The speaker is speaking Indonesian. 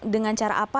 dengan cara apa